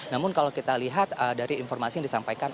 namun kalau kita lihat dari informasi yang disampaikan